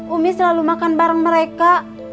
umi selalu makan bareng mereka